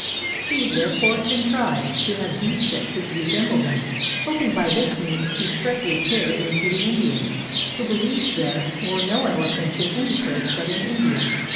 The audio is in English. She therefore contrived to have beasts that should resemble them, hoping by this means to strike a terror into the Indians, who believed there were no elephants in any place but in India.